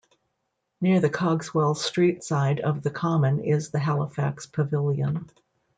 Near the Cogswell street side of the Common is The Halifax Pavilion.